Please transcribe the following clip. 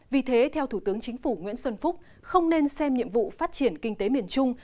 vì thế theo thủ tướng chính phủ nguyễn xuân phúc không nên xem nhiệm vụ phát triển kinh tế miền trung